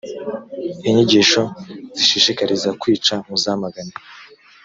inyigisho zishishikariza kwica muzamagane.